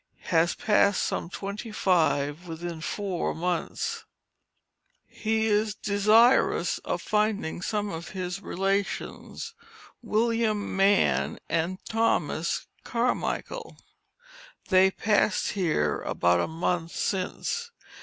Has passed some twenty five within four months. He is desirous of finding some of his relations, Wm. Mann and Thomas Carmichael, they passed here about a month since.